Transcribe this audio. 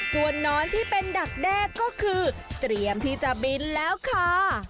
ส่วนนอนที่เป็นดักแตเรียมที่จะบินนะคะ